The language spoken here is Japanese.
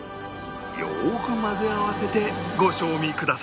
よく混ぜ合わせてご賞味ください